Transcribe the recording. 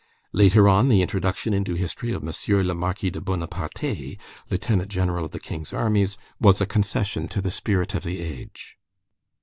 Later on the introduction into history of M. le Marquis de Bonaparte, Lieutenant General of the King's armies, was a concession to the spirit of the age.